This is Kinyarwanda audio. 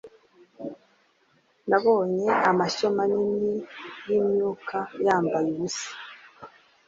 Nabonye amashyo manini yimyuka yambaye ubusa